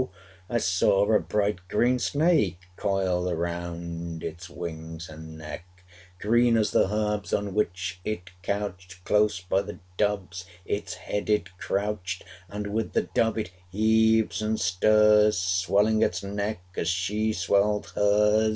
I saw a bright green snake Coiled around its wings and neck. 550 Green as the herbs on which it couched, Close by the dove's its head it crouched; And with the dove it heaves and stirs, Swelling its neck as she swelled hers!